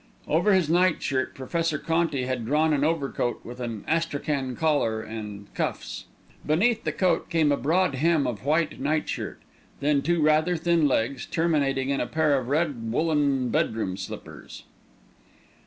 Over his nightshirt Professor Conti had drawn an overcoat with an astrachan collar and cuffs. Beneath the coat came a broad hem of white nightshirt, then two rather thin legs, terminating in a pair of red woollen bedroom slippers.